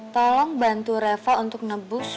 tolong bantu reva untuk nebus